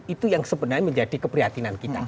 itu yang sebenarnya menjadi keprihatinan kita